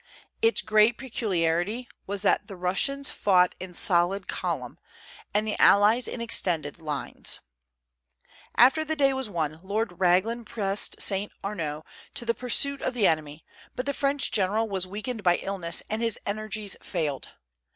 Its great peculiarity was that the Russians fought in solid column, and the allies in extended lines. After the day was won, Lord Raglan pressed Saint Arnaud to the pursuit of the enemy; but the French general was weakened by illness, and his energies failed.